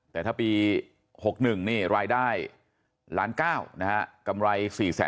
แต่ถ้าปี๖๑นี่รายได้ล้าน๙นะฮะกำไร๔๐๐๐